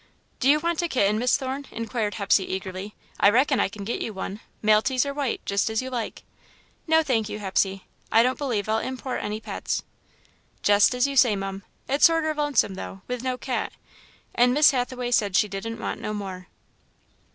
"Do you want a kitten, Miss Thorne?" inquired Hepsey, eagerly. "I reckon I can get you one Maltese or white, just as you like." "No, thank you, Hepsey; I don't believe I'll import any pets." "Jest as you say, mum. It's sorter lonesome, though, with no cat; and Miss Hathaway said she didn't want no more."